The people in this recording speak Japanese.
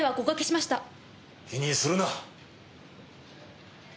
気にするな。